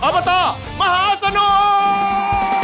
บตมหาสนุก